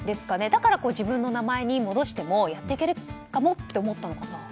だから自分の名前に戻してもやっていけるかもって思ったのかな。